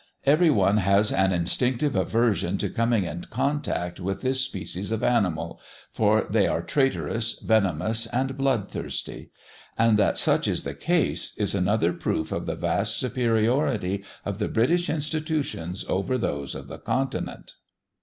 Every one has an instinctive aversion to coming in contact with this species of animal, for they are traitorous, venomous, and blood thirsty. And that such is the case, is another proof of the vast superiority of the British institutions over those of the Continent.